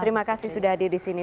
terima kasih sudah hadir di sini